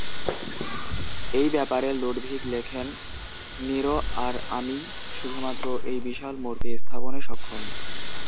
এই ব্যাপারে লুডভিগ লিখেন, "নিরো আর আমিই শুধুমাত্র এত বিশাল মূর্তি স্থাপনে সক্ষম"